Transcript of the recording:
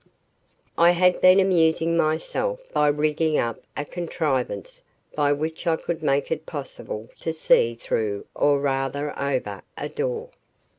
I had been amusing myself by rigging up a contrivance by which I could make it possible to see through or rather over, a door.